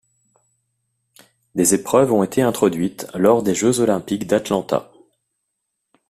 Des épreuves ont été introduites lors des jeux olympiques d'Atlanta.